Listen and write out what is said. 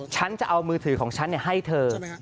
ฉันจะเอามือถือของฉันให้เธอ